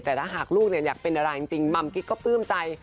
แต่ถ้าหากลูกอยากเป็นอะไรจริงมัมกิ๊กก็ปลื้มใจ